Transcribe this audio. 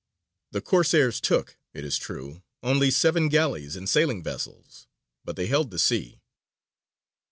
The Corsairs took, it is true, only seven galleys and sailing vessels, but they held the sea.